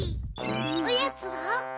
おやつは？